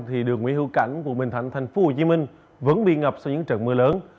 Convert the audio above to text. thì đường nguyễn hữu cảnh của bình thạnh thành phố hồ chí minh vẫn bị ngập sau những trận mưa lớn